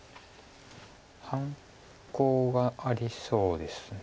半コウがありそうです。